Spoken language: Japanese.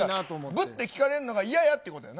ぶっと聞かれるのが嫌やってことやな。